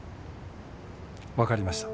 わかりました。